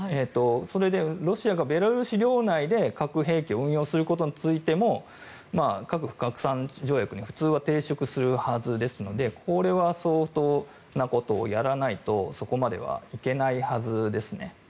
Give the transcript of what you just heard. それでロシアがベラルーシ領内で核兵器を運用することについても核不拡散条約に普通は抵触するはずですのでこれは相当なことをやらないとそこまではいけないはずですね。